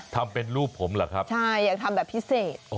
ทำเป็นรูปผมเหรอครับใช่อยากทำแบบพิเศษ